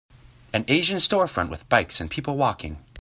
An Asian storefront with bikes and people walking.